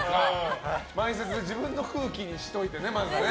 前説で自分の空気にしといてね、まずね。